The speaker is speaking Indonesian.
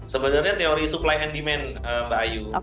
sebenarnya teori supply and demand mbak ayu